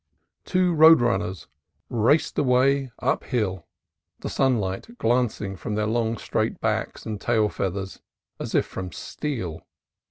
Two road runners raced away uphill, the A HERMIT'S CAVE 25 sunlight glancing from their long straight backs and tail feathers as if from steel.